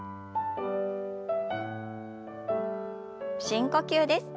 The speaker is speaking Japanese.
深呼吸です。